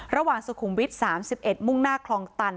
ระหว่างสุขุมวิทย์๓๑มุ่งหน้าคลองตัน